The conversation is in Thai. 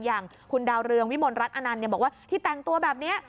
อย่างคุณดาวเรืองวิมลรัฐอนันต์บอกว่าที่แต่งตัวแบบนี้